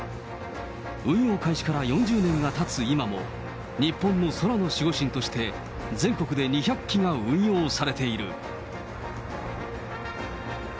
運用開始から４０年がたつ今も、日本の空の守護神として、全国で２００機が運用されている。